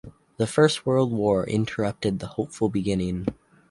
The First World War interrupted the hopeful beginning.